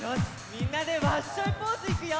みんなでワッショイポーズいくよ。